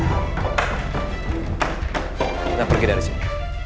kita pergi dari sini